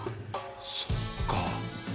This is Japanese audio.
そっか。